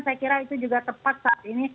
saya kira itu juga tepat saat ini